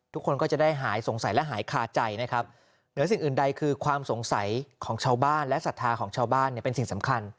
ทุกคนก็จะได้หายสงสัยและหายคาใจนะครับเหนือสิ่งอื่นใดคือความสงสัยของชาวบ้านและศรัทธาของชาวบ้านเนี่ยเป็นสิ่งสำคัญ